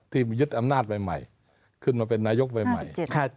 ที่ยึดอำนาจใหม่ขึ้นมาเป็นนายกใหม่